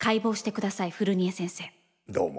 どうも。